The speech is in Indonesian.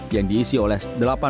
yang diisi oleh delapan pemerintah